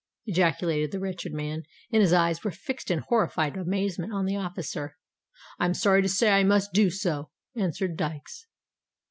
ejaculated the wretched man: and his eyes were fixed in horrified amazement on the officer. "I'm sorry to say I must do so," answered Dykes.